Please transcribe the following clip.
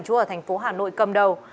chú ở thành phố hà nội cầm đầu